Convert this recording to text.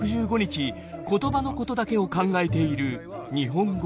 言葉のことだけを考えている日本語